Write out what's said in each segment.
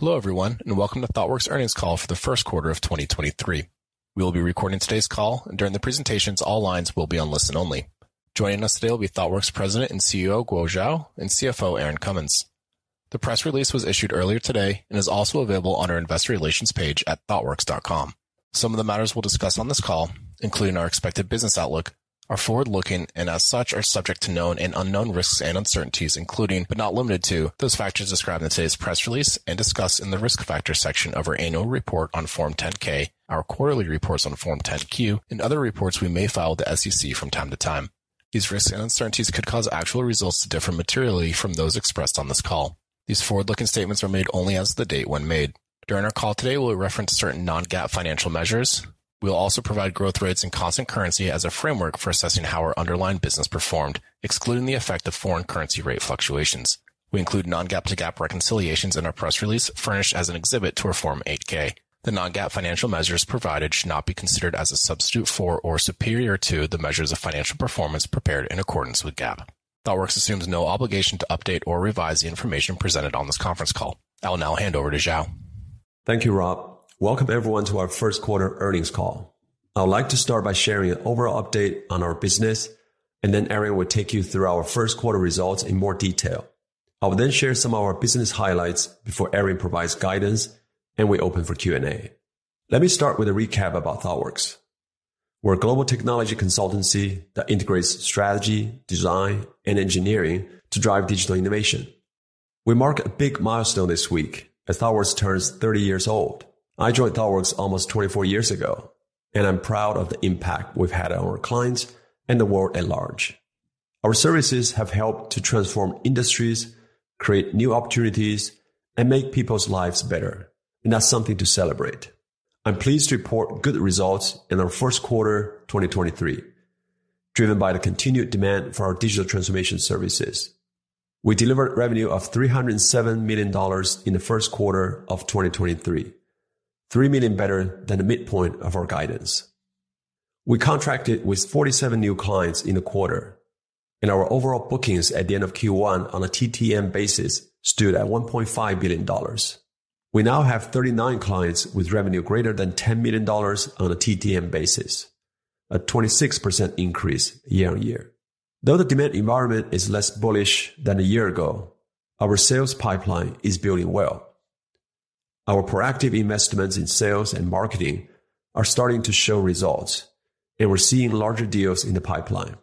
Hello everyone. Welcome to Thoughtworks earnings call for the first quarter of 2023. We will be recording today's call, and during the presentations, all lines will be on listen only. Joining us today will be Thoughtworks President and CEO, Guo Xiao, and CFO, Erin Cummins. The press release was issued earlier today and is also available on our investor relations page at thoughtworks.com. Some of the matters we'll discuss on this call, including our expected business outlook, are forward-looking and as such are subject to known and unknown risks and uncertainties, including, but not limited to those factors described in today's press release and discussed in the risk factors section of our annual report on Form 10-K, our quarterly reports on Form 10-Q, and other reports we may file with the SEC from time to time. These risks and uncertainties could cause actual results to differ materially from those expressed on this call. These forward-looking statements were made only as of the date when made. During our call today, we'll reference certain non-GAAP financial measures. We'll also provide growth rates and constant currency as a framework for assessing how our underlying business performed, excluding the effect of foreign currency rate fluctuations. We include non-GAAP to GAAP reconciliations in our press release, furnished as an exhibit to our Form 8-K. The non-GAAP financial measures provided should not be considered as a substitute for or superior to the measures of financial performance prepared in accordance with GAAP. Thoughtworks assumes no obligation to update or revise the information presented on this conference call. I will now hand over to Xiao. Thank you, Rob. Welcome everyone to our first quarter earnings call. I would like to start by sharing an overall update on our business. Erin will take you through our first quarter results in more detail. I will then share some of our business highlights before Erin provides guidance. We open for Q&A. Let me start with a recap about Thoughtworks. We're a global technology consultancy that integrates strategy, design, and engineering to drive digital innovation. We mark a big milestone this week as Thoughtworks turns 30 years old. I joined Thoughtworks almost 24 years ago. I'm proud of the impact we've had on our clients and the world at large. Our services have helped to transform industries, create new opportunities, and make people's lives better. That's something to celebrate. I'm pleased to report good results in our first quarter, 2023, driven by the continued demand for our digital transformation services. We delivered revenue of $307 million in the first quarter of 2023, $3 million better than the midpoint of our guidance. We contracted with 47 new clients in the quarter. Our overall bookings at the end of Q1 on a TTM basis stood at $1.5 billion. We now have 39 clients with revenue greater than $10 million on a TTM basis, a 26% increase year-on-year. Though the demand environment is less bullish than a year ago, our sales pipeline is building well. Our proactive investments in sales and marketing are starting to show results. We're seeing larger deals in the pipeline.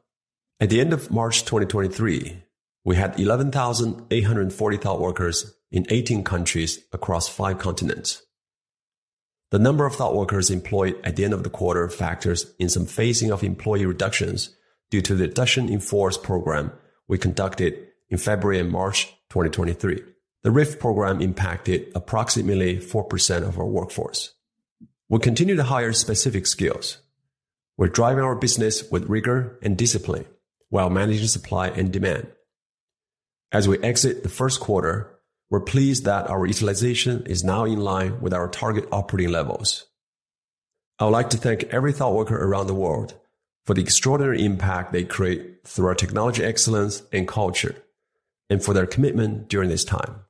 At the end of March 2023, we had 11,840 Thoughtworkers in 18 countries across five continents. The number of Thoughtworkers employed at the end of the quarter factors in some phasing of employee reductions due to the reduction in force program we conducted in February and March 2023. The RIF program impacted approximately 4% of our workforce. We continue to hire specific skills. We're driving our business with rigor and discipline while managing supply and demand. As we exit the first quarter, we're pleased that our utilization is now in line with our target operating levels. I would like to thank every Thoughtworker around the world for the extraordinary impact they create through our technology excellence and culture and for their commitment during this time.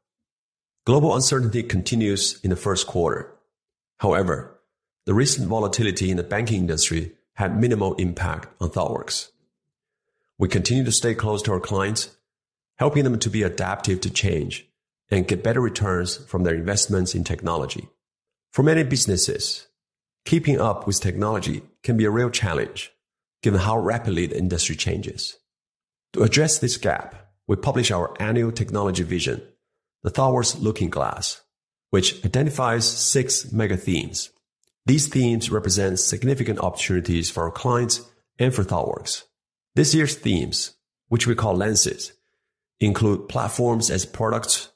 Global uncertainty continues in the first quarter. However, the recent volatility in the banking industry had minimal impact on Thoughtworks. We continue to stay close to our clients, helping them to be adaptive to change and get better returns from their investments in technology. For many businesses, keeping up with technology can be a real challenge given how rapidly the industry changes. To address this gap, we publish our annual technology vision, the Thoughtworks Looking Glass, which identifies six mega themes. These themes represent significant opportunities for our clients and for Thoughtworks. This year's themes, which we call lenses, include platforms as products,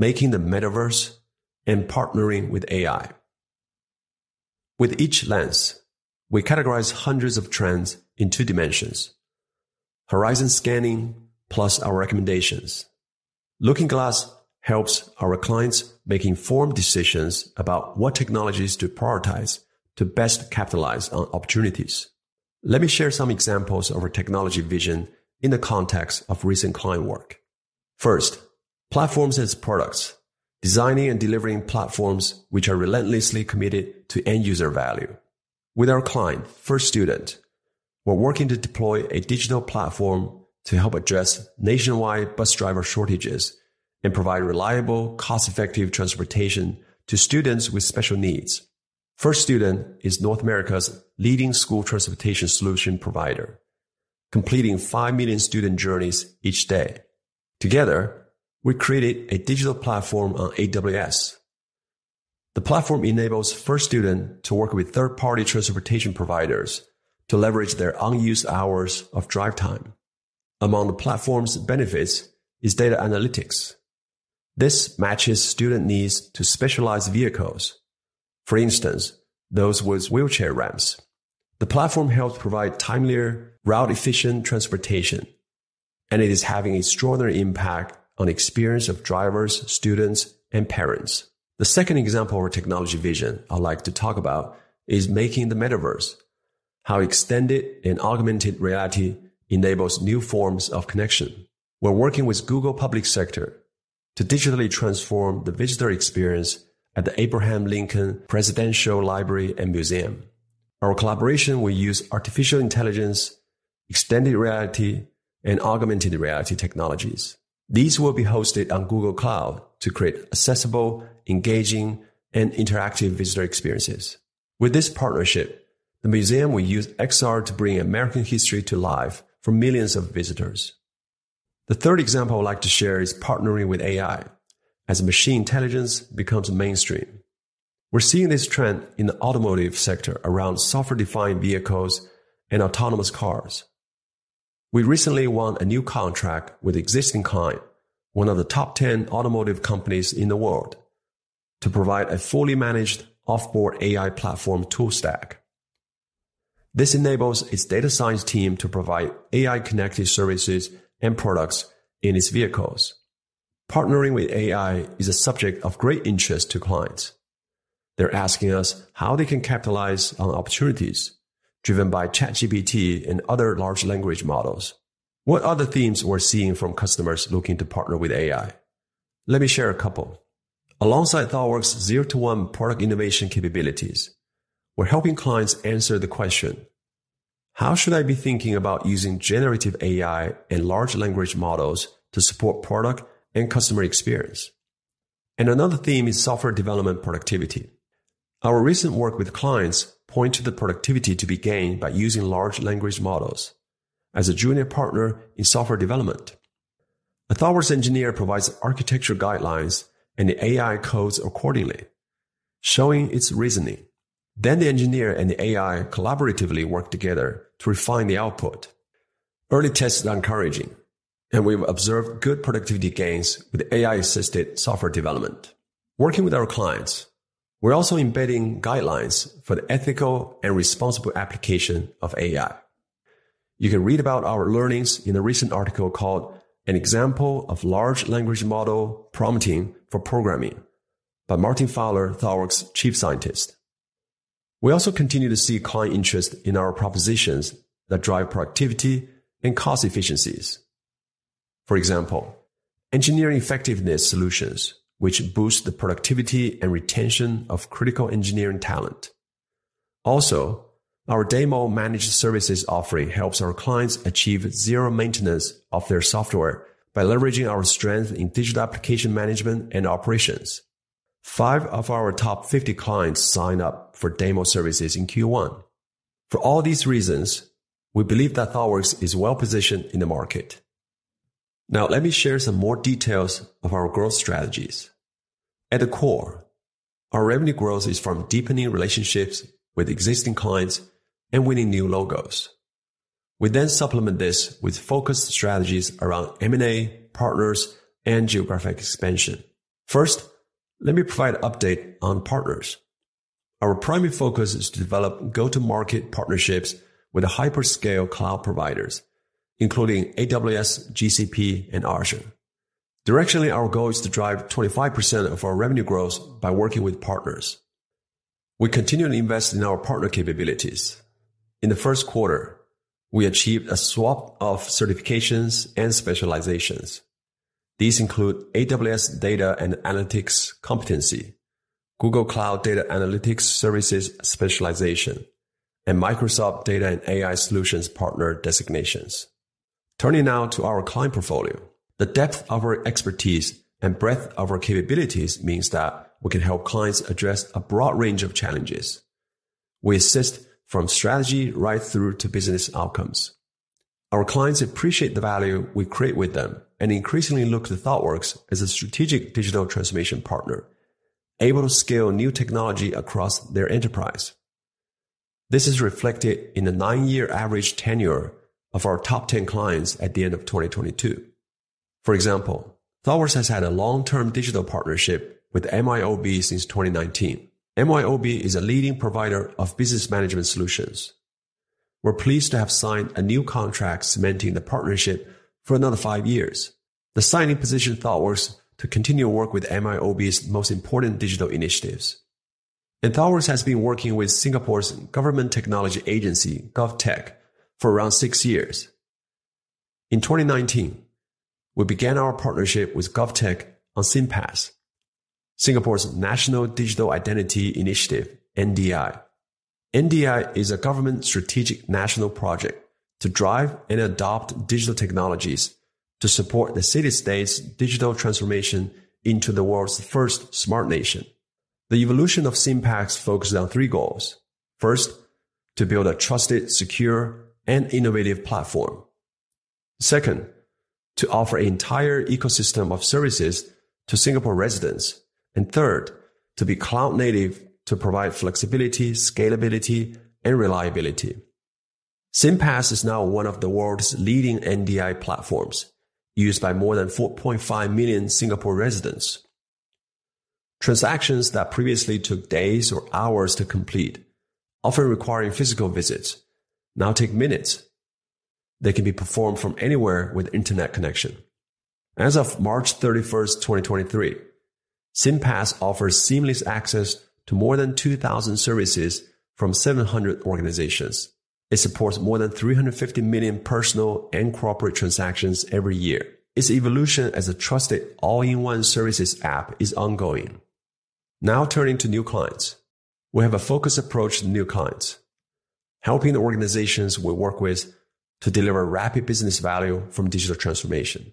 making the metaverse, and partnering with AI. With each lens, we categorize hundreds of trends in two dimensions: horizon scanning, plus our recommendations. Looking Glass helps our clients make informed decisions about what technologies to prioritize to best capitalize on opportunities. Let me share some examples of our technology vision in the context of recent client work. First, platforms as products. Designing and delivering platforms which are relentlessly committed to end user value. With our client, First Student, we're working to deploy a digital platform to help address nationwide bus driver shortages and provide reliable, cost-effective transportation to students with special needs. First Student is North America's leading school transportation solution provider, completing 5 million student journeys each day. Together, we created a digital platform on AWS. The platform enables First Student to work with third-party transportation providers to leverage their unused hours of drive time. Among the platform's benefits is data analytics. This matches student needs to specialized vehicles. For instance, those with wheelchair ramps. It is having extraordinary impact on experience of drivers, students, and parents. The second example of our technology vision I'd like to talk about is making the metaverse. How extended and augmented reality enables new forms of connection. We're working with Google Public Sector to digitally transform the visitor experience at the Abraham Lincoln Presidential Library and Museum. Our collaboration will use artificial intelligence, extended reality, and augmented reality technologies. These will be hosted on Google Cloud to create accessible, engaging, and interactive visitor experiences. With this partnership, the museum will use XR to bring American history to life for millions of visitors. The third example I'd like to share is partnering with AI as machine intelligence becomes mainstream. We're seeing this trend in the automotive sector around software-defined vehicles and autonomous cars. We recently won a new contract with existing client, one of the top 10 automotive companies in the world, to provide a fully managed off-board AI platform tool stack. This enables its data science team to provide AI connected services and products in its vehicles. Partnering with AI is a subject of great interest to clients. They're asking us how they can capitalize on opportunities driven by ChatGPT and other large language models. What other themes we're seeing from customers looking to partner with AI? Let me share a couple. Alongside Thoughtworks' zero to one product innovation capabilities, we're helping clients answer the question: How should I be thinking about using generative AI and large language models to support product and customer experience? Another theme is software development productivity. Our recent work with clients point to the productivity to be gained by using large language models. As a junior partner in software development, a Thoughtworks engineer provides architecture guidelines, and the AI codes accordingly, showing its reasoning. The engineer and the AI collaboratively work together to refine the output. Early tests are encouraging, and we've observed good productivity gains with AI-assisted software development. Working with our clients, we're also embedding guidelines for the ethical and responsible application of AI. You can read about our learnings in a recent article called An Example of Large Language Model Prompting for Programming by Martin Fowler, Thoughtworks chief scientist. We continue to see client interest in our propositions that drive productivity and cost efficiencies. For example, Engineering Effectiveness solutions, which boost the productivity and retention of critical engineering talent. Our DAMO managed services offering helps our clients achieve zero maintenance of their software by leveraging our strength in digital application management and operations. Five of our top 50 clients signed up for DAMO services in Q1. For all these reasons, we believe that Thoughtworks is well positioned in the market. Now let me share some more details of our growth strategies. At the core, our revenue growth is from deepening relationships with existing clients and winning new logos. We supplement this with focused strategies around M&A, partners, and geographic expansion. First, let me provide update on partners. Our primary focus is to develop go-to-market partnerships with hyper-scale cloud providers, including AWS, GCP, and Azure. Directionally, our goal is to drive 25% of our revenue growth by working with partners. We continually invest in our partner capabilities. In the first quarter, we achieved a swap of certifications and specializations. These include AWS Data and Analytics Competency, Google Cloud Data Analytics Services Specialization, and Microsoft Data and AI Solutions Partner Designations. Turning now to our client portfolio. The depth of our expertise and breadth of our capabilities means that we can help clients address a broad range of challenges. We assist from strategy right through to business outcomes. Our clients appreciate the value we create with them and increasingly look to Thoughtworks as a strategic digital transformation partner, able to scale new technology across their enterprise. This is reflected in the nine-year average tenure of our top 10 clients at the end of 2022. For example, Thoughtworks has had a long-term digital partnership with MYOB since 2019. MYOB is a leading provider of business management solutions. We're pleased to have signed a new contract cementing the partnership for another five years. The signing positioned Thoughtworks to continue work with MYOB's most important digital initiatives. Thoughtworks has been working with Singapore's Government Technology Agency, GovTech, for around six years. In 2019, we began our partnership with GovTech on Singpass, Singapore's National Digital Identity initiative, NDI. NDI is a government strategic national project to drive and adopt digital technologies to support the city state's digital transformation into the world's first smart nation. The evolution of Singpass focuses on 3 goals. First, to build a trusted, secure, and innovative platform. Second, to offer entire ecosystem of services to Singapore residents. Third, to be cloud native to provide flexibility, scalability, and reliability. Singpass is now one of the world's leading NDI platforms, used by more than 4.5 million Singapore residents. Transactions that previously took days or hours to complete, often requiring physical visits, now take minutes. They can be performed from anywhere with internet connection. As of March 31, 2023, Singpass offers seamless access to more than 2,000 services from 700 organizations. It supports more than 350 million personal and corporate transactions every year. Its evolution as a trusted all-in-one services app is ongoing. Now turning to new clients. We have a focused approach to new clients, helping the organizations we work with to deliver rapid business value from digital transformation.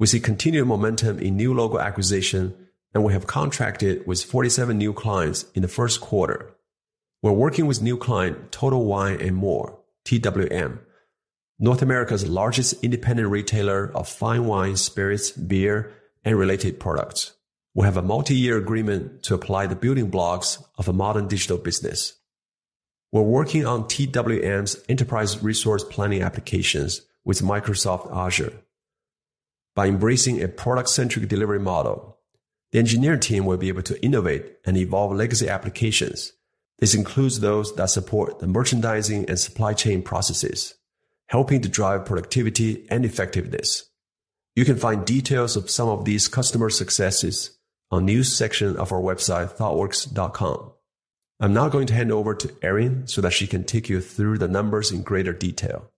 We see continued momentum in new logo acquisition, and we have contracted with 47 new clients in the first quarter. We're working with new client, Total Wine & More, TWM, North America's largest independent retailer of fine wine, spirits, beer, and related products. We have a multi-year agreement to apply the building blocks of a modern digital business. We're working on TWM's enterprise resource planning applications with Microsoft Azure. By embracing a product-centric delivery model, the engineering team will be able to innovate and evolve legacy applications. This includes those that support the merchandising and supply chain processes, helping to drive productivity and effectiveness. You can find details of some of these customer successes on news section of our website, Thoughtworks.com. I'm now going to hand over to Erin so that she can take you through the numbers in greater detail.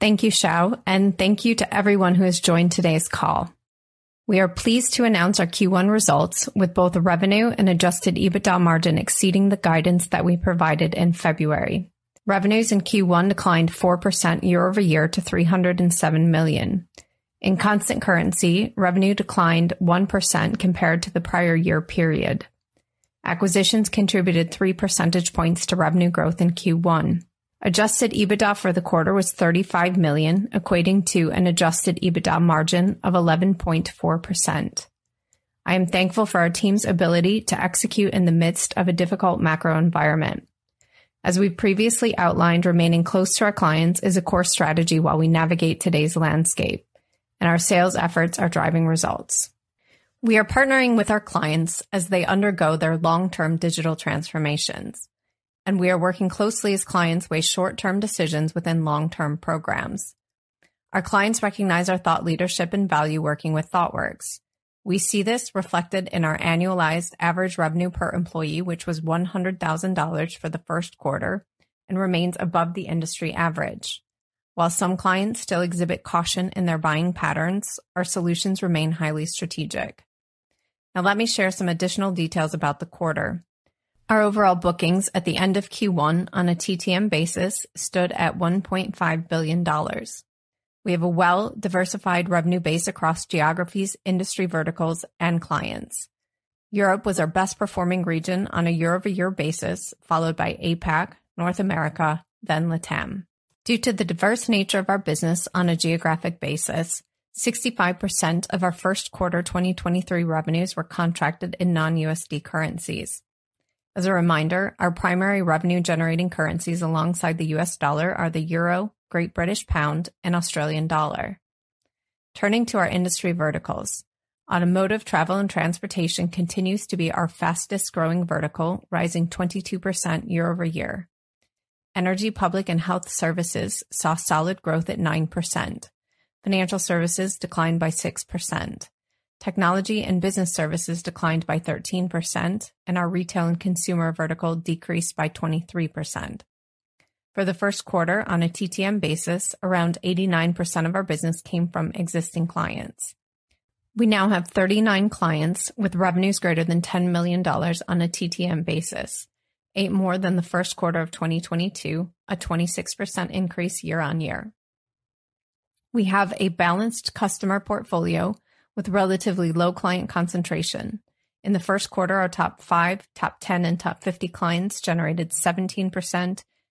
Thank you, Xiao, and thank you to everyone who has joined today's call. We are pleased to announce our Q1 results with both revenue and adjusted EBITDA margin exceeding the guidance that we provided in February. Revenues in Q1 declined 4% year-over-year to $307 million. In constant currency, revenue declined 1% compared to the prior year period. Acquisitions contributed 3 percentage points to revenue growth in Q1. Adjusted EBITDA for the quarter was $35 million, equating to an adjusted EBITDA margin of 11.4%. I am thankful for our team's ability to execute in the midst of a difficult macro environment. As we previously outlined, remaining close to our clients is a core strategy while we navigate today's landscape, and our sales efforts are driving results. We are partnering with our clients as they undergo their long-term digital transformations, we are working closely as clients weigh short-term decisions within long-term programs. Our clients recognize our thought leadership and value working with Thoughtworks. We see this reflected in our annualized average revenue per employee, which was $100,000 for the first quarter and remains above the industry average. While some clients still exhibit caution in their buying patterns, our solutions remain highly strategic. Let me share some additional details about the quarter. Our overall bookings at the end of Q1 on a TTM basis stood at $1.5 billion. We have a well-diversified revenue base across geographies, industry verticals, and clients. Europe was our best performing region on a year-over-year basis, followed by APAC, North America, LATAM. Due to the diverse nature of our business on a geographic basis, 65% of our first quarter 2023 revenues were contracted in non-USD currencies. As a reminder, our primary revenue generating currencies alongside the U.S. dollar are the euro, Great British pound, and Australian dollar. Turning to our industry verticals. Automotive travel and transportation continues to be our fastest-growing vertical, rising 22% year-over-year. Energy, public, and health services saw solid growth at 9%. Financial services declined by 6%. Technology and business services declined by 13%, and our retail and consumer vertical decreased by 23%. For the first quarter on a TTM basis, around 89% of our business came from existing clients. We now have 39 clients with revenues greater than $10 million on a TTM basis, 8 more than the first quarter of 2022, a 26% increase year-over-year. We have a balanced customer portfolio with relatively low client concentration. In the first quarter, our top five, top 10, and top 50 clients generated 17%,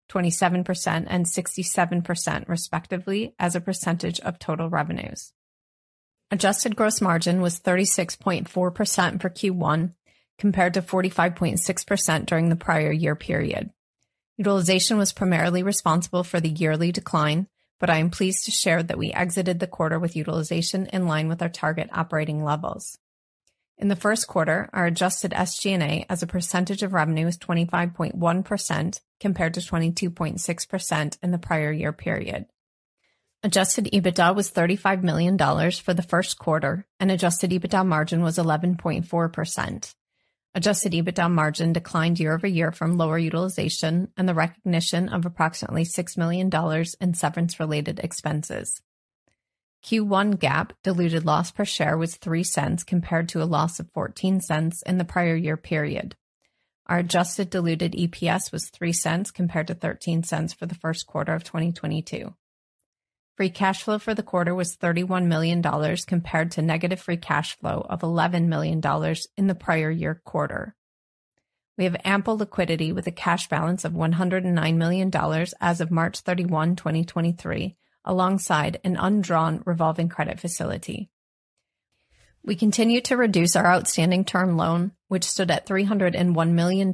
27%, and 67%, respectively, as a percentage of total revenues. Adjusted gross margin was 36.4% for Q1 compared to 45.6% during the prior year period. Utilization was primarily responsible for the yearly decline, but I am pleased to share that we exited the quarter with utilization in line with our target operating levels. In the first quarter, our adjusted SG&A as a percentage of revenue was 25.1% compared to 22.6% in the prior year period. adjusted EBITDA was $35 million for the first quarter, and adjusted EBITDA margin was 11.4%. adjusted EBITDA margin declined year-over-year from lower utilization and the recognition of approximately $6 million in severance related expenses. Q1 GAAP diluted loss per share was $0.03 compared to a loss of $0.14 in the prior year period. Our adjusted diluted EPS was $0.03 compared to $0.13 for the first quarter of 2022. Free cash flow for the quarter was $31 million compared to negative free cash flow of $11 million in the prior year quarter. We have ample liquidity with a cash balance of $109 million as of March 31, 2023, alongside an undrawn revolving credit facility. We continue to reduce our outstanding term loan, which stood at $301 million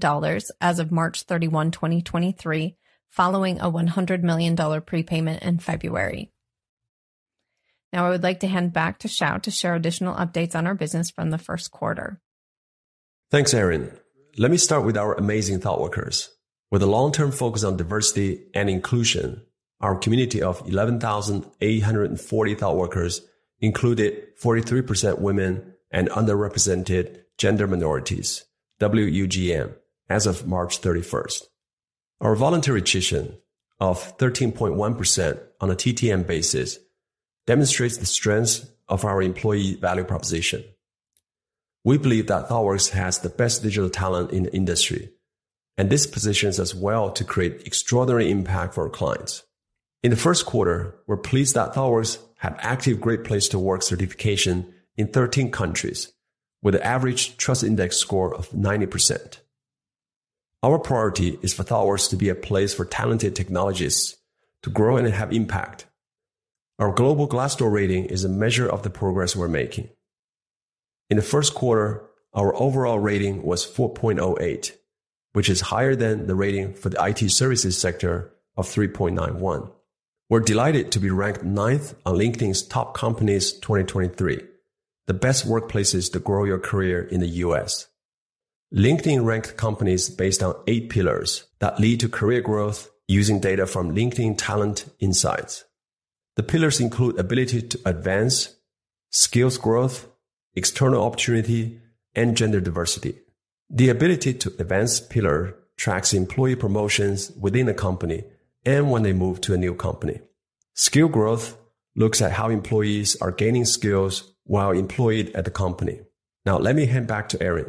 as of March 31, 2023, following a $100 million prepayment in February. I would like to hand back to Xiao to share additional updates on our business from the first quarter. Thanks, Erin. Let me start with our amazing ThoughtWorkers. With a long-term focus on diversity and inclusion, our community of 11,840 ThoughtWorkers included 43% women and underrepresented gender minorities, WUGM, as of March 31st. Our voluntary attrition of 13.1% on a TTM basis demonstrates the strength of our employee value proposition. We believe that Thoughtworks has the best digital talent in the industry, and this positions us well to create extraordinary impact for our clients. In the first quarter, we're pleased that Thoughtworks have achieved Great Place To Work certification in 13 countries with an average trust index score of 90%. Our priority is for Thoughtworks to be a place for talented technologists to grow and have impact. Our global Glassdoor rating is a measure of the progress we're making. In the first quarter, our overall rating was 4.08, which is higher than the rating for the IT services sector of 3.91. We're delighted to be ranked ninth on LinkedIn's Top Companies 2023, the best workplaces to grow your career in the U.S. LinkedIn ranked companies based on eight pillars that lead to career growth using data from LinkedIn Talent Insights. The pillars include ability to advance, skills growth, external opportunity, and gender diversity. The ability to advance pillar tracks employee promotions within a company and when they move to a new company. Skill growth looks at how employees are gaining skills while employed at the company. Let me hand back to Erin.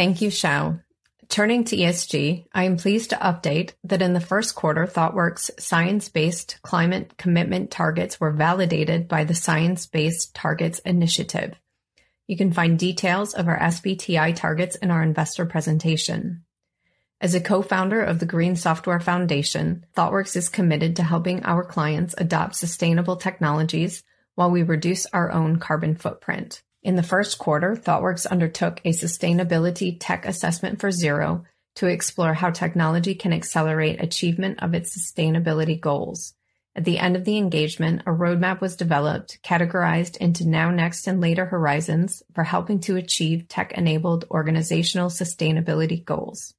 Thank you, Xiao. Turning to ESG, I am pleased to update that in the first quarter, Thoughtworks' science-based climate commitment targets were validated by the Science Based Targets initiative. You can find details of our SBTi targets in our investor presentation. As a co-founder of the Green Software Foundation, Thoughtworks is committed to helping our clients adopt sustainable technologies while we reduce our own carbon footprint. In the first quarter, Thoughtworks undertook a sustainability tech assessment for Xero to explore how technology can accelerate achievement of its sustainability goals. At the end of the engagement, a roadmap was developed, categorized into now, next, and later horizons for helping to achieve tech-enabled organizational sustainability goals.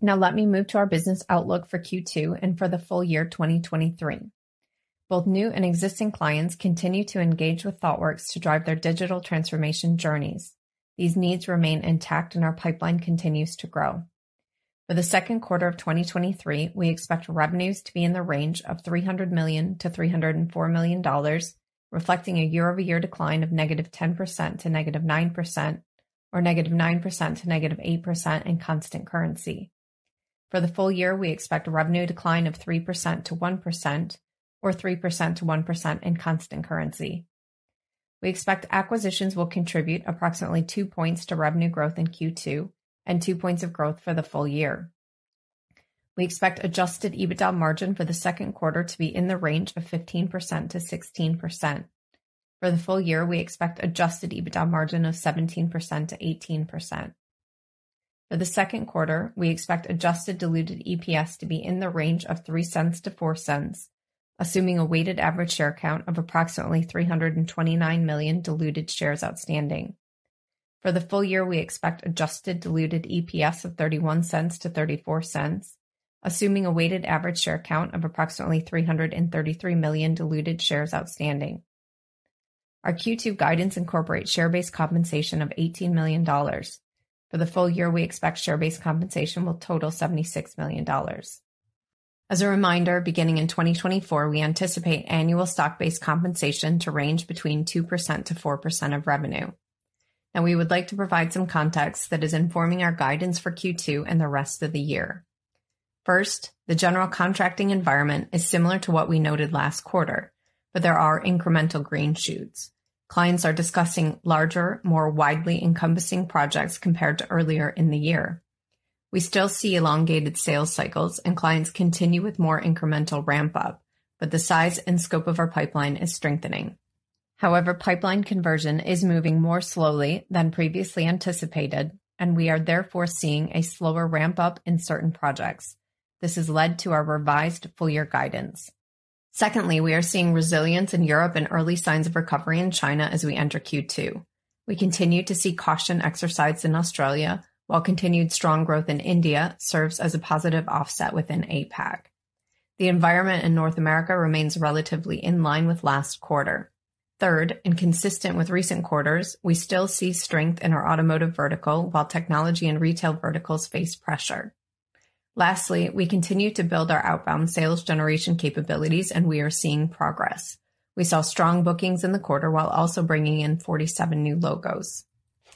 Let me move to our business outlook for Q2 and for the full year 2023. Both new and existing clients continue to engage with Thoughtworks to drive their digital transformation journeys. These needs remain intact and our pipeline continues to grow. For the second quarter of 2023, we expect revenues to be in the range of $300 million-$304 million, reflecting a year-over-year decline of -10% to -9% or -9% to -8% in constant currency. For the full year, we expect revenue decline of 3%-1% or 3%-1% in constant currency. We expect acquisitions will contribute approximately 2 points to revenue growth in Q2 and 2 points of growth for the full year. We expect adjusted EBITDA margin for the second quarter to be in the range of 15%-16%. For the full year, we expect adjusted EBITDA margin of 17%-18%. For the second quarter, we expect adjusted diluted EPS to be in the range of $0.03-$0.04, assuming a weighted average share count of approximately 329 million diluted shares outstanding. For the full year, we expect adjusted diluted EPS of $0.31-$0.34, assuming a weighted average share count of approximately 333 million diluted shares outstanding. Our Q2 guidance incorporates share-based compensation of $18 million. For the full year, we expect share-based compensation will total $76 million. As a reminder, beginning in 2024, we anticipate annual stock-based compensation to range between 2%-4% of revenue. Now we would like to provide some context that is informing our guidance for Q2 and the rest of the year. The general contracting environment is similar to what we noted last quarter. There are incremental green shoots. Clients are discussing larger, more widely encompassing projects compared to earlier in the year. We still see elongated sales cycles and clients continue with more incremental ramp up. The size and scope of our pipeline is strengthening. Pipeline conversion is moving more slowly than previously anticipated. We are therefore seeing a slower ramp up in certain projects. This has led to our revised full year guidance. We are seeing resilience in Europe and early signs of recovery in China as we enter Q2. We continue to see caution exercised in Australia while continued strong growth in India serves as a positive offset within APAC. The environment in North America remains relatively in line with last quarter. Third, and consistent with recent quarters, we still see strength in our automotive vertical while technology and retail verticals face pressure. Lastly, we continue to build our outbound sales generation capabilities and we are seeing progress. We saw strong bookings in the quarter while also bringing in 47 new logos.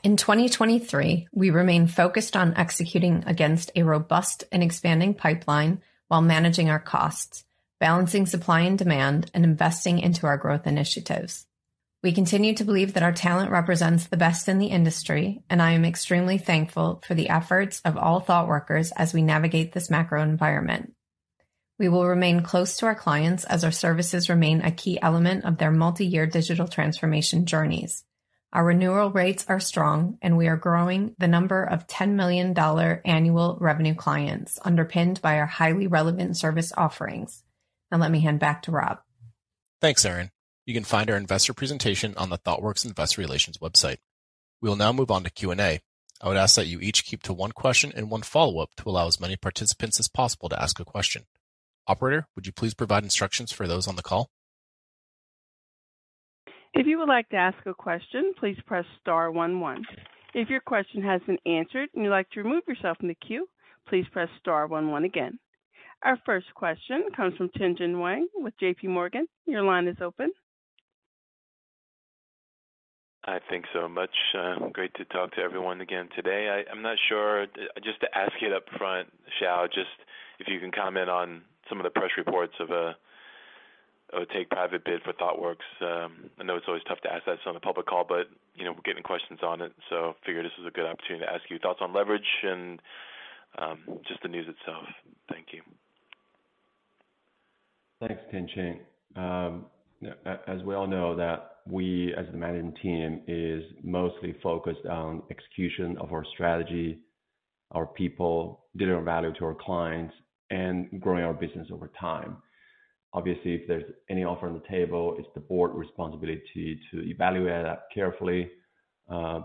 In 2023, we remain focused on executing against a robust and expanding pipeline while managing our costs, balancing supply and demand, and investing into our growth initiatives. We continue to believe that our talent represents the best in the industry, and I am extremely thankful for the efforts of all ThoughtWorkers as we navigate this macro environment. We will remain close to our clients as our services remain a key element of their multi-year digital transformation journeys. Our renewal rates are strong, and we are growing the number of $10 million annual revenue clients underpinned by our highly relevant service offerings. Let me hand back to Rob. Thanks, Erin. You can find our investor presentation on the Thoughtworks Investor Relations website. We will now move on to Q&A. I would ask that you each keep to 1 question and 1 follow-up to allow as many participants as possible to ask a question. Operator, would you please provide instructions for those on the call? If you would like to ask a question, please press star one one. If your question has been answered and you'd like to remove yourself from the queue, please press star one one again. Our first question comes from Tien-tsin Huang with J.P. Morgan. Your line is open. I thank so much. Great to talk to everyone again today. I'm not sure, just to ask it up front, Xiao, just if you can comment on some of the press reports of a take private bid for Thoughtworks. I know it's always tough to ask this on a public call, but, you know, we're getting questions on it, so figured this is a good opportunity to ask you thoughts on leverage and just the news itself. Thank you. Thanks, Tien-tsin. As we all know that we as the management team is mostly focused on execution of our strategy, our people, delivering value to our clients, and growing our business over time. Obviously, if there's any offer on the table, it's the board responsibility to evaluate that carefully.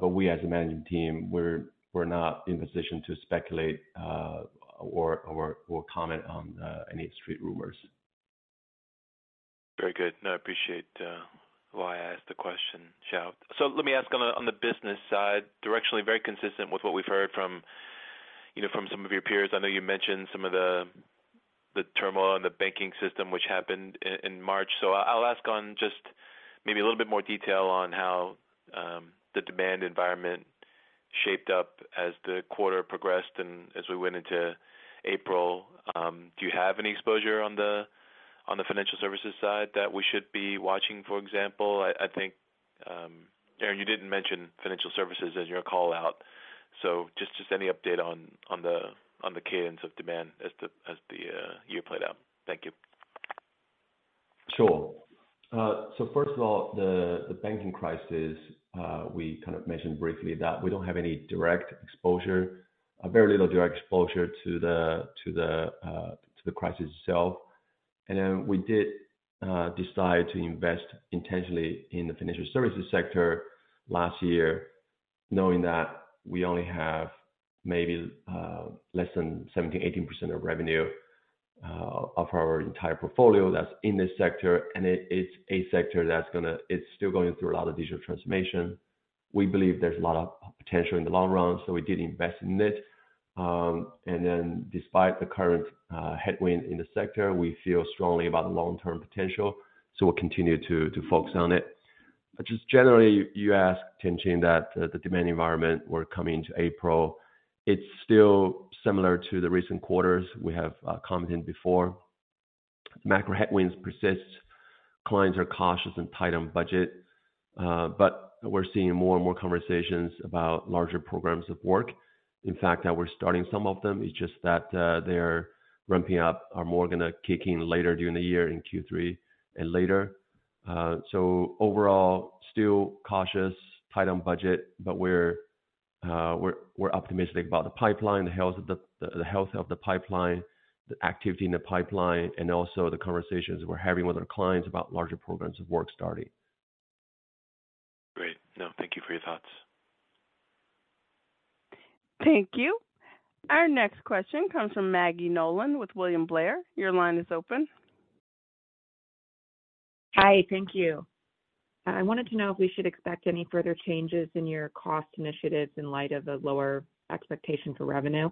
We as a management team, we're not in a position to speculate or comment on any street rumors. Very good. No, I appreciate why I asked the question, Xiao. Let me ask on the business side, directionally very consistent with what we've heard from, you know, from some of your peers. I know you mentioned some of the turmoil in the banking system which happened in March. I'll ask on just maybe a little bit more detail on how the demand environment shaped up as the quarter progressed and as we went into April. Do you have any exposure on the financial services side that we should be watching, for example? I think Erin, you didn't mention financial services as your call-out, just any update on the cadence of demand as the year played out. Thank you. Sure. First of all, the banking crisis, we kind of mentioned briefly that we don't have any direct exposure, very little direct exposure to the crisis itself. We did decide to invest intentionally in the financial services sector last year, knowing that we only have maybe less than 17%-18% of revenue of our entire portfolio that's in this sector. It's a sector that's still going through a lot of digital transformation. We believe there's a lot of potential in the long run, so we did invest in it. Despite the current headwind in the sector, we feel strongly about the long-term potential, so we'll continue to focus on it. Just generally, you asked, Tien-tsin, that the demand environment, we're coming into April, it's still similar to the recent quarters we have commented before. Macro headwinds persist. Clients are cautious and tight on budget, but we're seeing more and more conversations about larger programs of work. In fact, we're starting some of them. It's just that they're ramping up or more gonna kick in later during the year in Q3 and later. Overall, still cautious, tight on budget, but we're optimistic about the pipeline, the health of the pipeline, the activity in the pipeline, and also the conversations we're having with our clients about larger programs of work starting. Great. No, thank you for your thoughts. Thank you. Our next question comes from Maggie Nolan with William Blair. Your line is open. Hi. Thank you. I wanted to know if we should expect any further changes in your cost initiatives in light of the lower expectation for revenue.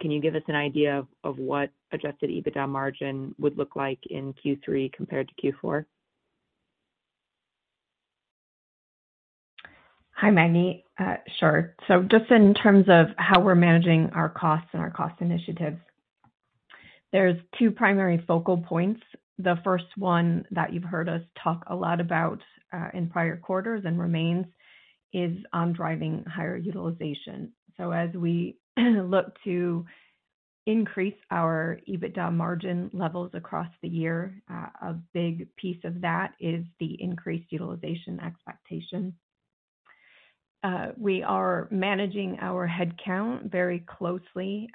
Can you give us an idea of what adjusted EBITDA margin would look like in Q3 compared to Q4? Hi, Maggie. Sure. Just in terms of how we're managing our costs and our cost initiatives, there's two primary focal points. The first one that you've heard us talk a lot about in prior quarters and remains is on driving higher utilization. As we look to increase our EBITDA margin levels across the year, a big piece of that is the increased utilization expectation. We are managing our headcount very closely.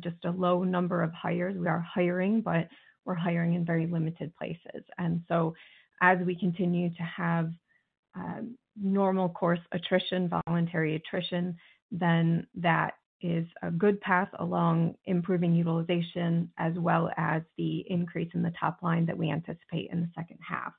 Just a low number of hires. We are hiring, but we're hiring in very limited places. As we continue to have normal course attrition, voluntary attrition, then that is a good path along improving utilization as well as the increase in the top line that we anticipate in the second half.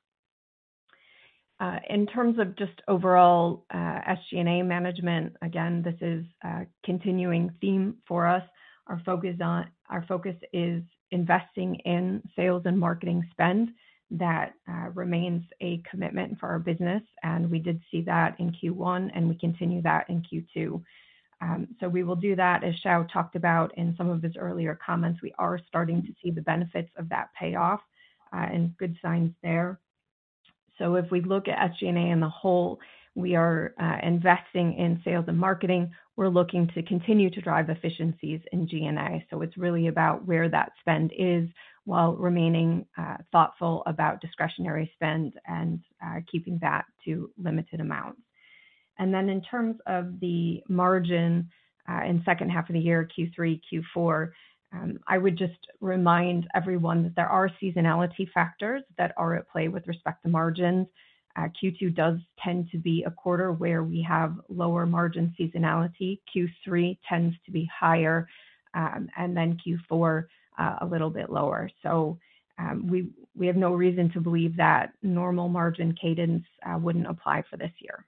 In terms of just overall SG&A management, again, this is a continuing theme for us. Our focus is investing in sales and marketing spend. That remains a commitment for our business, and we did see that in Q1, and we continue that in Q2. We will do that. As Xiao talked about in some of his earlier comments, we are starting to see the benefits of that payoff, and good signs there. If we look at SG&A in the whole, we are investing in sales and marketing. We're looking to continue to drive efficiencies in G&A. It's really about where that spend is, while remaining thoughtful about discretionary spend and keeping that to limited amounts. In terms of the margin, in second half of the year, Q3, Q4, I would just remind everyone that there are seasonality factors that are at play with respect to margins. Q2 does tend to be a quarter where we have lower margin seasonality. Q3 tends to be higher, and then Q4, a little bit lower. We have no reason to believe that normal margin cadence wouldn't apply for this year.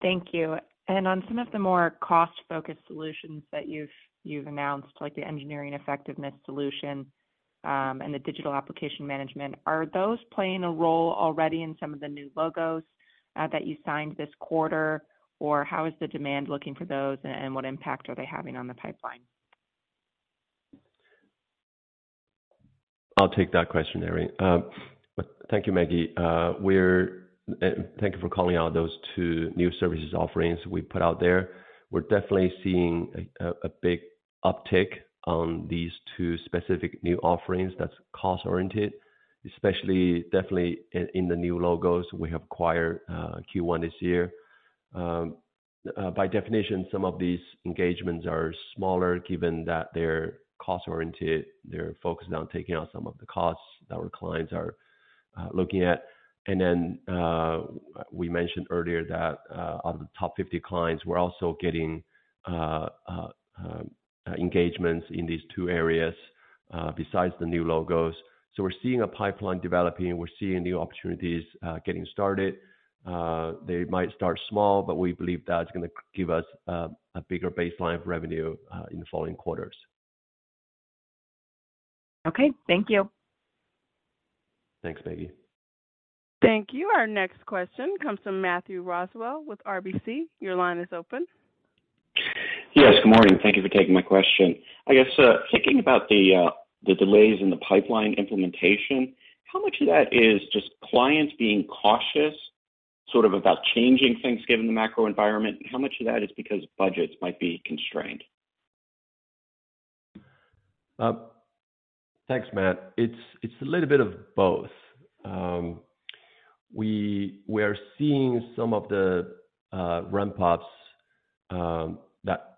Thank you. On some of the more cost-focused solutions that you've announced, like the Engineering Effectiveness solution, and the digital application management, are those playing a role already in some of the new logos that you signed this quarter? How is the demand looking for those, and what impact are they having on the pipeline? I'll take that question, Erin. Thank you, Maggie. Thank you for calling out those two new services offerings we put out there. We're definitely seeing a big uptick on these two specific new offerings that's cost-oriented, especially definitely in the new logos we acquired Q1 this year. By definition, some of these engagements are smaller, given that they're cost-oriented. They're focused on taking out some of the costs that our clients are looking at. We mentioned earlier that on the top 50 clients, we're also getting engagements in these two areas besides the new logos. We're seeing a pipeline developing. We're seeing new opportunities getting started. They might start small, but we believe that's gonna give us a bigger baseline of revenue in the following quarters. Okay. Thank you. Thanks, Maggie. Thank you. Our next question comes from Matthew Roswell with RBC. Your line is open. Yes. Good morning. Thank you for taking my question. I guess, thinking about the delays in the pipeline implementation, how much of that is just clients being cautious, sort of about changing things given the macro environment? How much of that is because budgets might be constrained? Thanks, Matt. It's a little bit of both. We're seeing some of the ramp ups that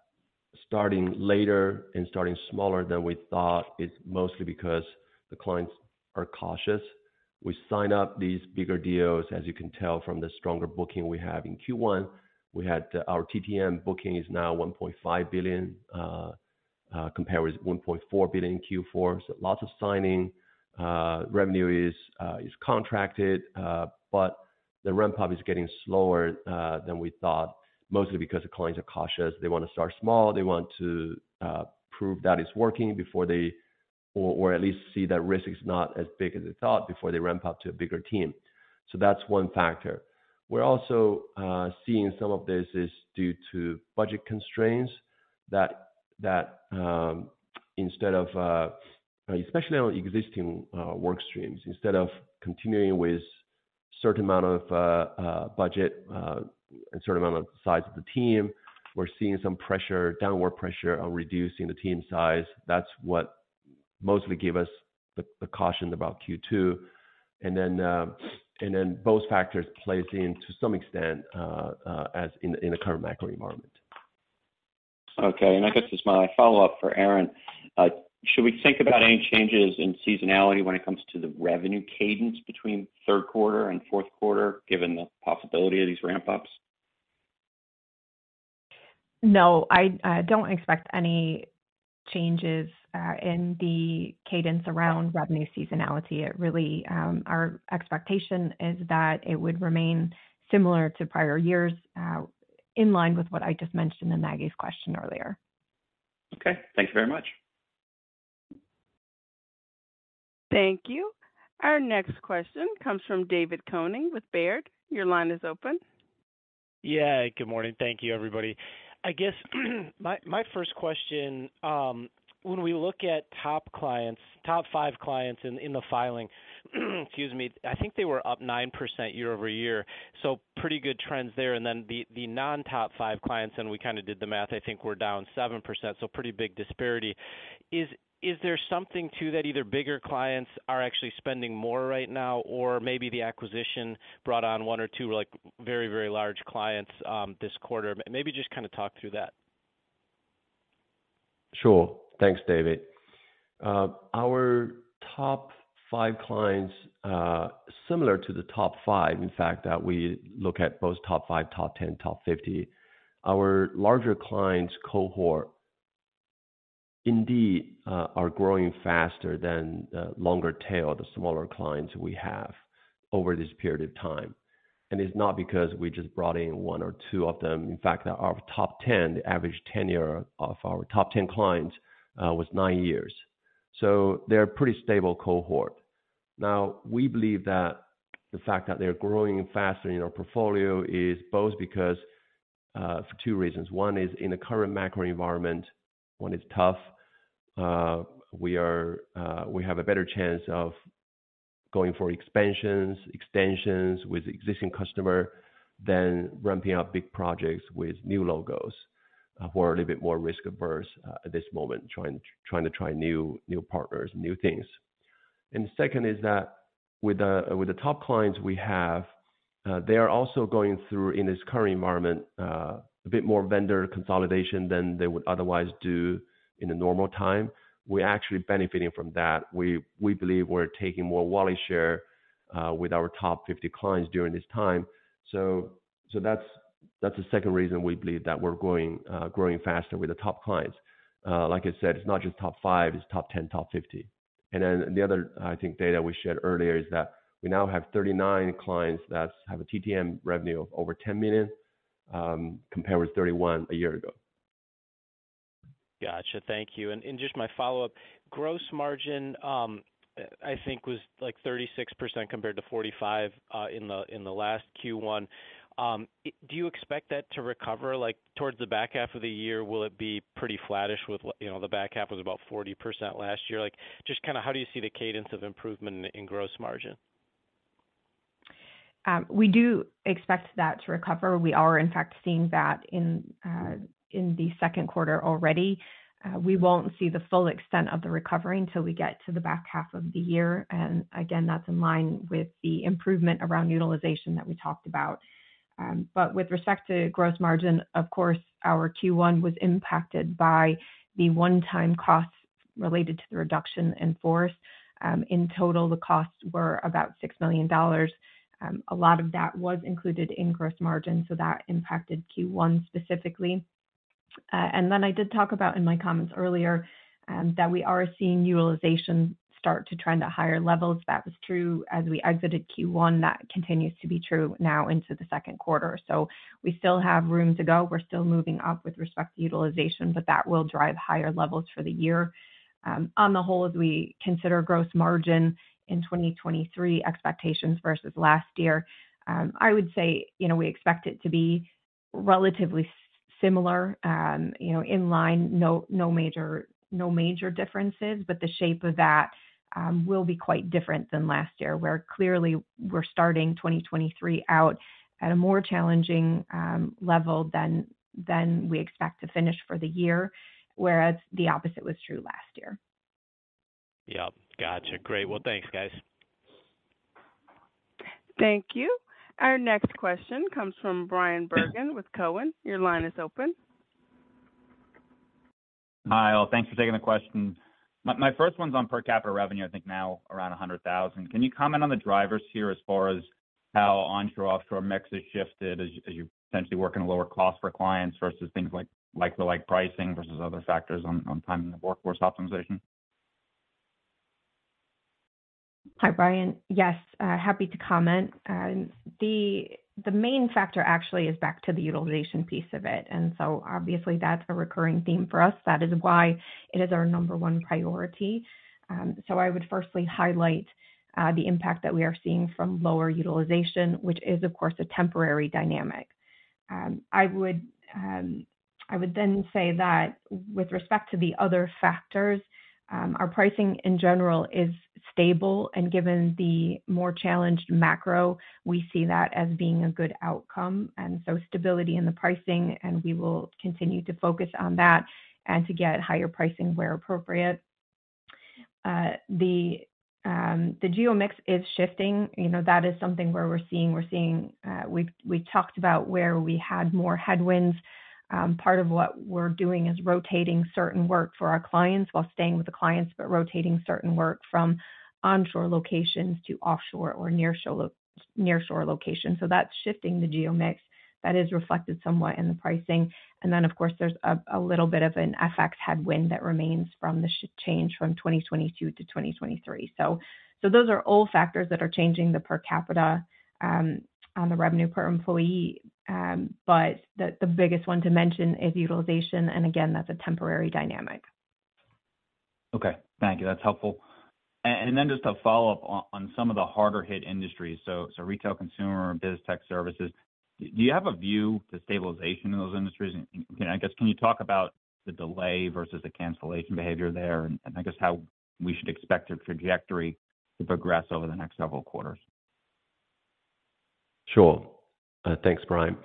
starting later and starting smaller than we thought is mostly because the clients are cautious. We sign up these bigger deals, as you can tell from the stronger booking we have in Q1. We had our TTM booking is now $1.5 billion compared with $1.4 billion in Q4. Lots of signing. Revenue is contracted, but the ramp up is getting slower than we thought, mostly because the clients are cautious. They wanna start small. They want to prove that it's working before they or at least see that risk is not as big as they thought before they ramp up to a bigger team. That's one factor. We're also seeing some of this is due to budget constraints that, instead of, especially on existing, work streams, instead of continuing with certain amount of, budget, and certain amount of size of the team, we're seeing some pressure, downward pressure on reducing the team size. That's what mostly give us the caution about Q2. Both factors plays in to some extent, as in the current macro environment. Okay. I guess as my follow-up for Erin, should we think about any changes in seasonality when it comes to the revenue cadence between third quarter and fourth quarter, given the possibility of these ramp ups? No, I don't expect any changes in the cadence around revenue seasonality. It really, our expectation is that it would remain similar to prior years, in line with what I just mentioned in Maggie's question earlier. Okay. Thank you very much. Thank you. Our next question comes from David Koning with Baird. Your line is open. Yeah, good morning. Thank you, everybody. I guess my first question, when we look at top clients, top 5 clients in the filing, excuse me, I think they were up 9% year-over-year, so pretty good trends there. The non-top 5 clients, and we kinda did the math, I think were down 7%, so pretty big disparity. Is there something to that either bigger clients are actually spending more right now or maybe the acquisition brought on one or two, like, very large clients this quarter? Maybe just kinda talk through that. Sure. Thanks, David. Our top 5 clients, similar to the top 5, in fact, that we look at both top 5, top 10, top 50. Our larger clients cohort indeed, are growing faster than the longer tail, the smaller clients we have over this period of time. It's not because we just brought in 1 or 2 of them. In fact, our top 10, the average tenure of our top 10 clients, was 9 years. They're pretty stable cohort. Now, we believe that the fact that they're growing faster in our portfolio is both because, for 2 reasons. One is in the current macro environment, when it's tough, we have a better chance of going for expansions, extensions with existing customer than ramping up big projects with new logos, who are a little bit more risk averse, at this moment, trying to try new partners, new things. The second is that with the top clients we have, they are also going through, in this current environment, a bit more vendor consolidation than they would otherwise do in a normal time. We're actually benefiting from that. We believe we're taking more wallet share with our top 50 clients during this time. That's the second reason we believe that we're growing faster with the top clients. Like I said, it's not just top five, it's top 10, top 50. The other, I think, data we shared earlier is that we now have 39 clients that have a TTM revenue of over $10 million, compared with 31 a year ago. Gotcha. Thank you. Just my follow-up. Gross margin, I think was like 36% compared to 45% in the last Q1. Do you expect that to recover? Like, towards the back half of the year, will it be pretty flattish with, you know, the back half was about 40% last year. Like, just kinda how do you see the cadence of improvement in gross margin? We do expect that to recover. We are in fact seeing that in the second quarter already. We won't see the full extent of the recovery until we get to the back half of the year. Again, that's in line with the improvement around utilization that we talked about. With respect to gross margin, of course, our Q1 was impacted by the one-time costs related to the reduction in force. In total, the costs were about $6 million. A lot of that was included in gross margin, so that impacted Q1 specifically. I did talk about in my comments earlier that we are seeing utilization start to trend at higher levels. That was true as we exited Q1. That continues to be true now into the second quarter. We still have room to go. We're still moving up with respect to utilization, but that will drive higher levels for the year. On the whole, as we consider gross margin in 2023 expectations versus last year, I would say, you know, we expect it to be relatively similar, you know, in line, no major differences, but the shape of that will be quite different than last year, where clearly we're starting 2023 out at a more challenging level than we expect to finish for the year, whereas the opposite was true last year. Yep. Gotcha. Great. Well, thanks, guys. Thank you. Our next question comes from Bryan Bergin with Cowen. Your line is open. Hi, all. Thanks for taking the question. My first one's on per capita revenue, I think now around $100,000. Can you comment on the drivers here as far as how onshore-offshore mix has shifted as you potentially work in a lower cost for clients versus things like like-to-like pricing versus other factors on timing of workforce optimization? Hi, Bryan. Yes, happy to comment. The main factor actually is back to the utilization piece of it. Obviously that's a recurring theme for us. That is why it is our number one priority. I would firstly highlight the impact that we are seeing from lower utilization, which is of course a temporary dynamic. I would then say that with respect to the other factors, our pricing in general is stable, given the more challenged macro, we see that as being a good outcome. Stability in the pricing, we will continue to focus on that and to get higher pricing where appropriate. The geo mix is shifting. You know, that is something where we're seeing, we talked about where we had more headwinds. Part of what we're doing is rotating certain work for our clients while staying with the clients, but rotating certain work from onshore locations to offshore or nearshore locations. That's shifting the geo mix. That is reflected somewhat in the pricing. Then of course there's a little bit of an FX headwind that remains from the change from 2022 to 2023. Those are all factors that are changing the per capita on the revenue per employee. But the biggest one to mention is utilization. Again, that's a temporary dynamic. Okay. Thank you. That's helpful. Just to follow up on some of the harder hit industries, so retail, consumer, biz tech services, do you have a view to stabilization in those industries? I guess, can you talk about the delay versus the cancellation behavior there, and I guess how we should expect your trajectory to progress over the next several quarters? Sure. Thanks, Bryan.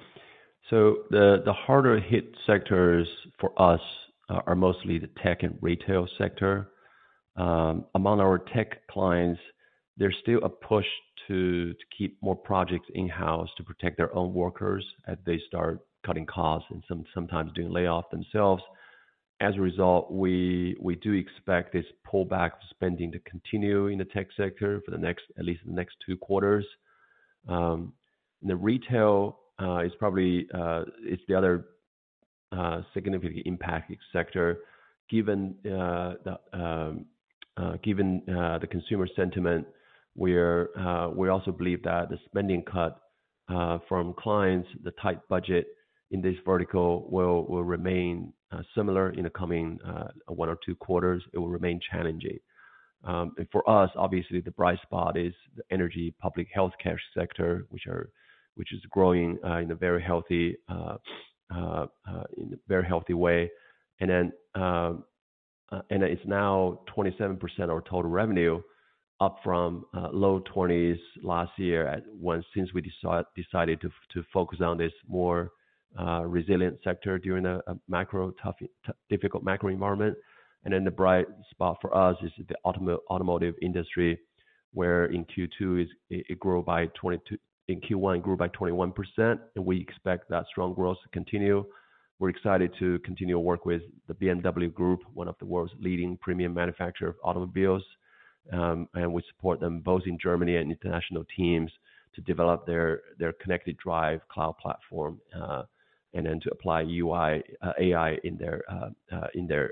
The harder hit sectors for us are mostly the tech and retail sector. Among our tech clients, there's still a push to keep more projects in-house to protect their own workers as they start cutting costs and sometimes doing layoffs themselves. As a result, we do expect this pullback spending to continue in the tech sector for at least the next two quarters. The retail is probably the other significantly impacted sector. Given the consumer sentiment, we also believe that the spending cut from clients, the tight budget in this vertical will remain similar in the coming one or two quarters. It will remain challenging. For us, obviously, the bright spot is the energy, public health care sector, which is growing in a very healthy way. It's now 27% of total revenue, up from low 20s last year at once, since we decided to focus on this more resilient sector during a difficult macro environment. The bright spot for us is the automotive industry, where in Q2 is... In Q1, it grew by 21%, and we expect that strong growth to continue. We're excited to continue to work with the BMW Group, one of the world's leading premium manufacturer of automobiles. We support them both in Germany and international teams to develop their ConnectedDrive cloud platform, and then to apply AI in their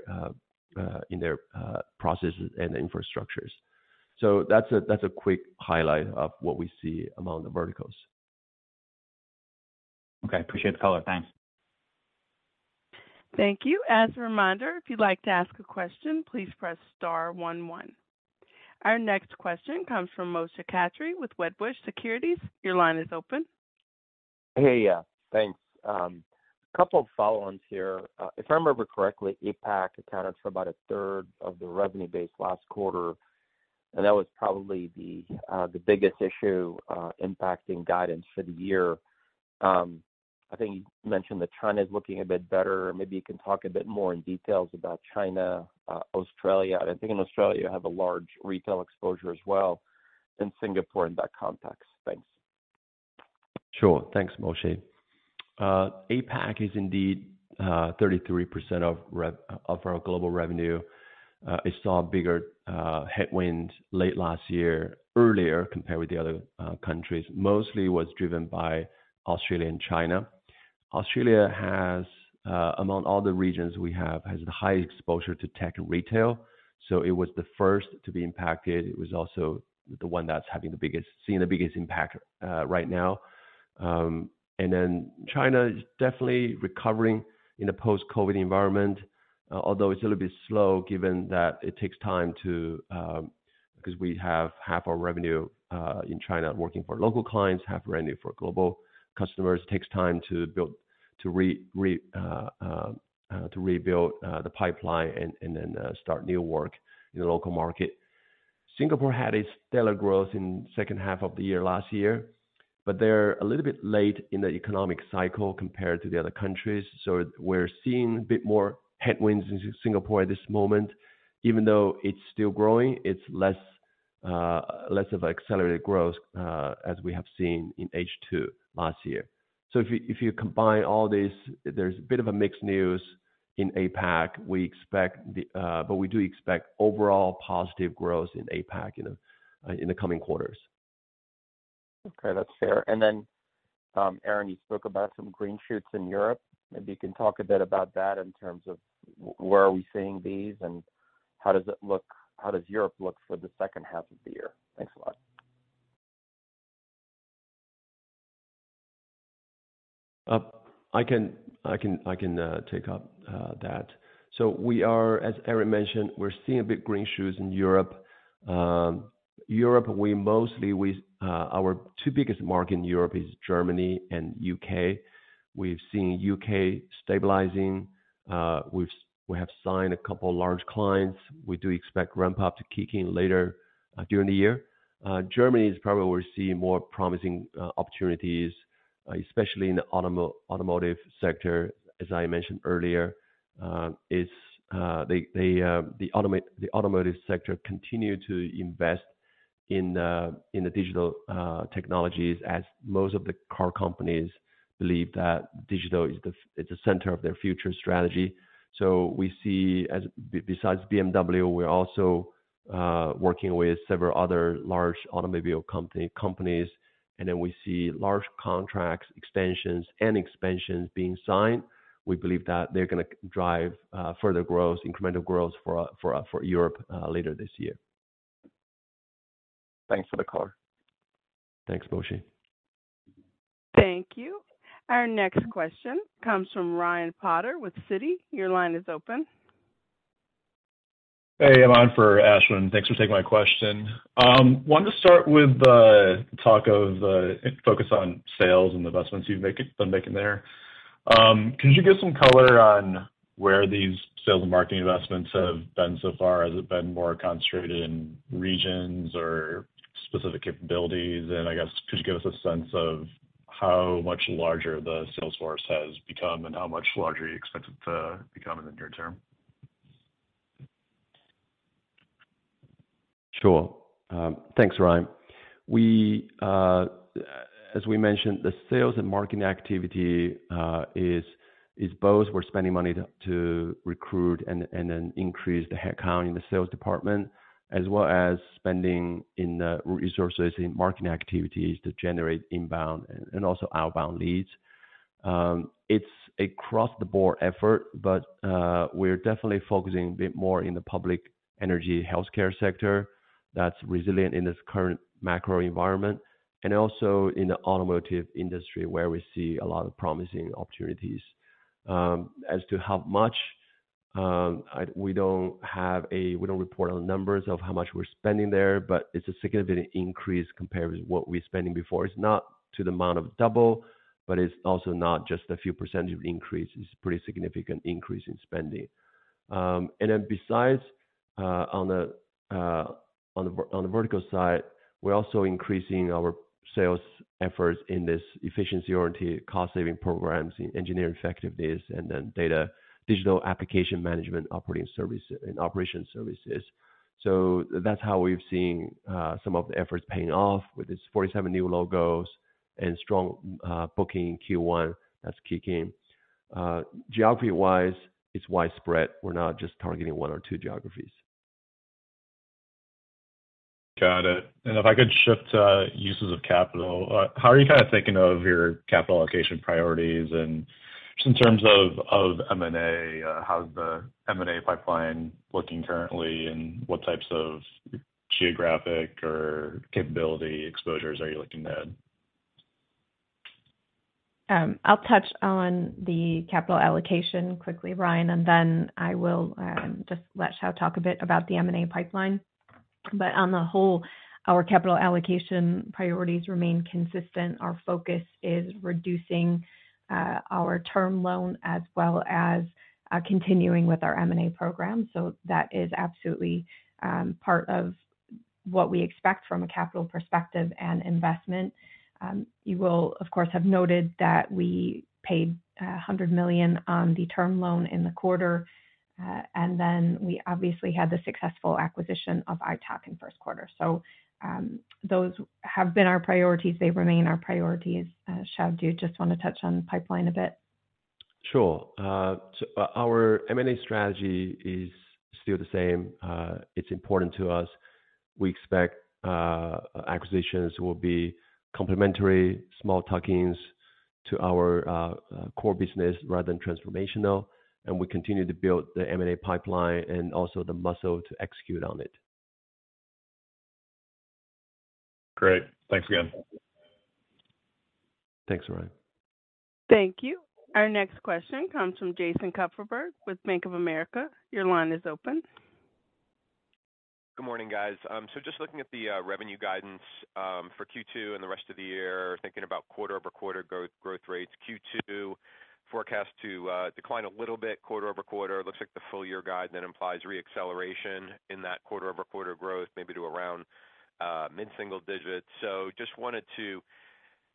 processes and infrastructures. That's a quick highlight of what we see among the verticals. Okay. Appreciate the color. Thanks. Thank you. As a reminder, if you'd like to ask a question, please press star one. Our next question comes from Moshe Katri with Wedbush Securities. Your line is open. Hey, yeah, thanks. A couple of follow-ons here. If I remember correctly, APAC accounted for about a third of the revenue base last quarter, and that was probably the biggest issue impacting guidance for the year. I think you mentioned that China is looking a bit better. Maybe you can talk a bit more in details about China, Australia, and I think in Australia you have a large retail exposure as well, then Singapore in that context. Thanks. Sure. Thanks, Moshe. APAC is indeed 33% of our global revenue. It saw a bigger headwind late last year, earlier compared with the other countries. Mostly was driven by Australia and China. Australia has, among all the regions we have, has a high exposure to tech and retail, so it was the first to be impacted. It was also the one that's seeing the biggest impact right now. China is definitely recovering in a post-COVID environment, although it's a little bit slow given that it takes time to, because we have half our revenue in China working for local clients, half revenue for global customers. It takes time to rebuild the pipeline and then start new work in the local market. Singapore had a stellar growth in second half of last year, they're a little bit late in the economic cycle compared to the other countries. We're seeing a bit more headwinds in Singapore at this moment. Even though it's still growing, it's less of accelerated growth as we have seen in H2 last year. If you combine all this, there's a bit of a mixed news in APAC. We do expect overall positive growth in APAC in the coming quarters. Okay. That's fair. Erin, you spoke about some green shoots in Europe. Maybe you can talk a bit about that in terms of where are we seeing these and how does Europe look for the second half of the year? Thanks a lot. I can, I can, I can take up that. We are, as Erin mentioned, we're seeing a bit green shoots in Europe. Europe, we mostly, our two biggest market in Europe is Germany and U.K.. We have signed a couple large clients. We do expect ramp-up to kick in later during the year. Germany is probably where we're seeing more promising opportunities, especially in the automotive sector, as I mentioned earlier. Is, they, the automotive sector continue to invest in the digital technologies as most of the car companies believe that digital is the, it's the center of their future strategy. We see as besides BMW, we're also working with several other large automobile companies, and then we see large contracts, extensions and expansions being signed. We believe that they're gonna drive further growth, incremental growth for Europe later this year. Thanks for the color. Thanks, Moshe. Thank you. Our next question comes from Ryan Potter with Citi. Your line is open. Hey, I'm on for Ashwin. Thanks for taking my question. wanted to start with the talk of focus on sales and investments you've been making there. could you give some color on where these sales and marketing investments have been so far? Has it been more concentrated in regions or specific capabilities? I guess, could you give us a sense of how much larger the sales force has become and how much larger you expect it to become in the near term? Sure. Thanks, Ryan. We, as we mentioned, the sales and marketing activity is both we're spending money to recruit and then increase the headcount in the sales department, as well as spending in the resources in marketing activities to generate inbound and also outbound leads. It's across the board effort, but we're definitely focusing a bit more in the public energy healthcare sector that's resilient in this current macro environment and also in the automotive industry where we see a lot of promising opportunities. As to how much, we don't report on numbers of how much we're spending there, but it's a significant increase compared with what we're spending before. It's not to the amount of double, but it's also not just a few % increase. It's a pretty significant increase in spending. Besides, on the vertical side, we're also increasing our sales efforts in this efficiency-oriented cost saving programs in Engineering Effectiveness, and then data Digital Application Management and Operations operating service and operation services. That's how we've seen some of the efforts paying off with this 47 new logos and strong booking in Q1. That's kicking. Geography-wise, it's widespread. We're not just targeting 1 or 2 geographies. Got it. If I could shift to uses of capital, how are you kind of thinking of your capital allocation priorities? Just in terms of M&A, how's the M&A pipeline looking currently, and what types of geographic or capability exposures are you looking to add? I'll touch on the capital allocation quickly, Ryan. I will just let Xiao talk a bit about the M&A pipeline. Our capital allocation priorities remain consistent. Our focus is reducing our term loan as well as continuing with our M&A program. That is absolutely part of what we expect from a capital perspective and investment. You will, of course, have noted that we paid $100 million on the term loan in the quarter. We obviously had the successful acquisition of Itoc in first quarter. Those have been our priorities. They remain our priorities. Xiao, do you just wanna touch on the pipeline a bit? Sure. Our M&A strategy is still the same. It's important to us. We expect acquisitions will be complementary small tuck-ins to our core business rather than transformational. We continue to build the M&A pipeline and also the muscle to execute on it. Great. Thanks again. Thanks, Ryan. Thank you. Our next question comes from Jason Kupferberg with Bank of America. Your line is open. Good morning, guys. Just looking at the revenue guidance for Q2 and the rest of the year, thinking about quarter-over-quarter growth rates. Q2 forecast to decline a little bit quarter-over-quarter. Looks like the full year guide implies re-acceleration in that quarter-over-quarter growth, maybe to around mid-single digits. Just wanted to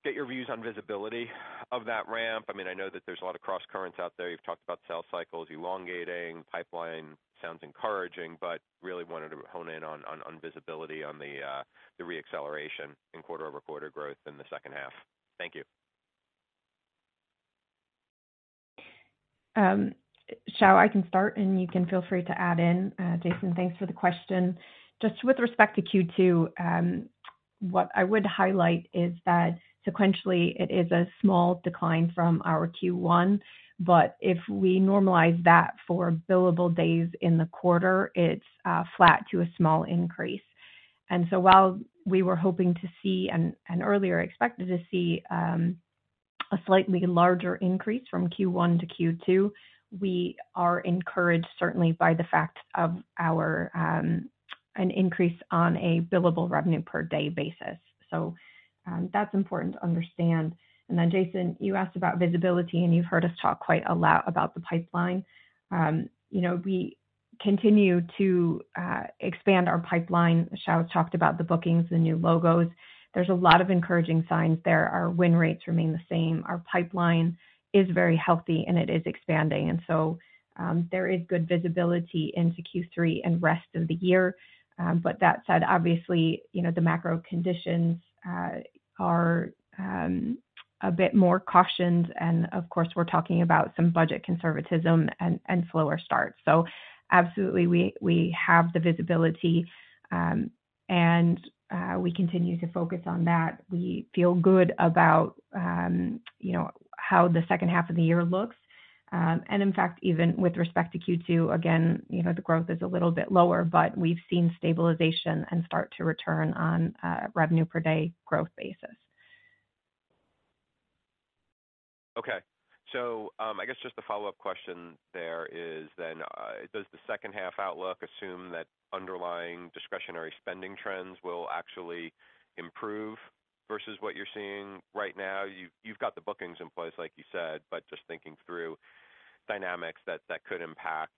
get your views on visibility of that ramp. I mean, I know that there's a lot of crosscurrents out there. You've talked about sales cycles elongating, pipeline sounds encouraging, really wanted to hone in on visibility on the re-acceleration in quarter-over-quarter growth in the second half. Thank you. Xiao, I can start, and you can feel free to add in. Jason, thanks for the question. Just with respect to Q2, what I would highlight is that sequentially it is a small decline from our Q1, but if we normalize that for billable days in the quarter, it's flat to a small increase. While we were hoping to see and earlier expected to see a slightly larger increase from Q1 to Q2, we are encouraged certainly by the fact of our an increase on a billable revenue per day basis. That's important to understand. Jason, you asked about visibility, and you've heard us talk quite a lot about the pipeline. You know, we continue to expand our pipeline. Xiao talked about the bookings, the new logos. There's a lot of encouraging signs there. Our win rates remain the same. Our pipeline is very healthy, and it is expanding. There is good visibility into Q3 and rest of the year. That said, obviously, you know, the macro conditions are a bit more cautioned and of course we're talking about some budget conservatism and slower starts. Absolutely, we have the visibility, and we continue to focus on that. We feel good about, you know, how the second half of the year looks. In fact even with respect to Q2, again, you know, the growth is a little bit lower, but we've seen stabilization and start to return on revenue per day growth basis. I guess just the follow-up question there is does the second half outlook assume that underlying discretionary spending trends will actually improve versus what you're seeing right now? You've got the bookings in place, like you said, but just thinking through dynamics that could impact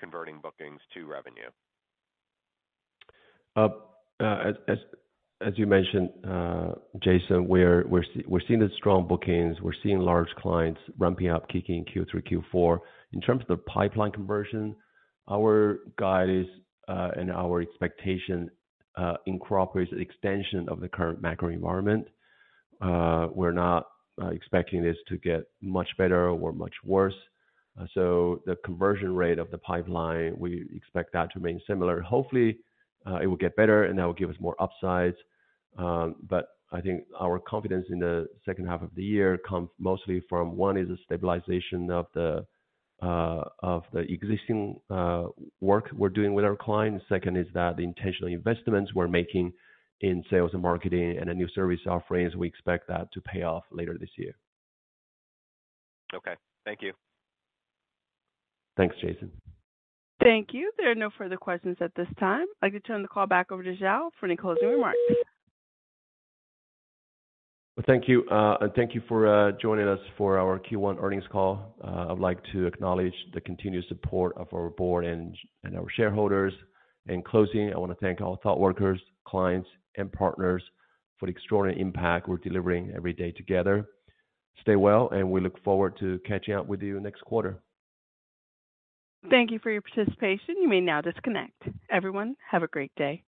converting bookings to revenue. as you mentioned, Jason, we're seeing the strong bookings. We're seeing large clients ramping up, kicking Q3, Q4. In terms of the pipeline conversion, our guide is and our expectation incorporates extension of the current macro environment. We're not expecting this to get much better or much worse. The conversion rate of the pipeline, we expect that to remain similar. Hopefully, it will get better, and that will give us more upsides. I think our confidence in the second half of the year comes mostly from one is the stabilization of the existing work we're doing with our clients. Second is that the intentional investments we're making in sales and marketing and the new service offerings, we expect that to pay off later this year. Okay. Thank you. Thanks, Jason. Thank you. There are no further questions at this time. I'd like to turn the call back over to Xiao for any closing remarks. Well, thank you. Thank you for joining us for our Q1 earnings call. I'd like to acknowledge the continued support of our board and our shareholders. In closing, I wanna thank all ThoughtWorkers, clients, and partners for the extraordinary impact we're delivering every day together. Stay well, we look forward to catching up with you next quarter. Thank you for your participation. You may now disconnect. Everyone, have a great day.